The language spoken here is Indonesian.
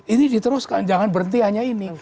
ini diteruskan jangan berhenti hanya ini